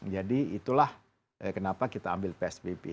jadi itulah kenapa kita ambil psbb